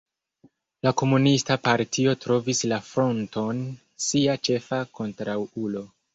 La komunista partio trovis la Fronton sia ĉefa kontraŭulo.